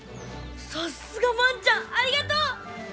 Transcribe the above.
さすが万ちゃんありがとう！